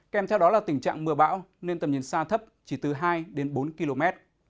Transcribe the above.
kèm theo đó là tình trạng mưa bão nên tầm nhìn xa thấp chỉ từ hai đến bốn km